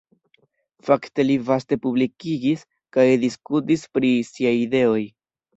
Fakte li vaste publikigis kaj diskutis pri siaj ideoj.